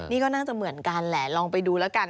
นี่ก็น่าจะเหมือนกันแหละลองไปดู